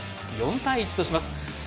４対１とします。